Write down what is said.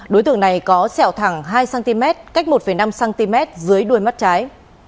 đối tượng này có sẹo thẳng hai cm cách một năm cm dưới đuôi mắt trái